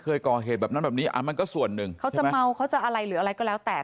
เคยก่อเหตุแบบนั้นแบบนี้มันก็ส่วนหนึ่งเขาจะเมาเขาจะอะไรหรืออะไรก็แล้วแต่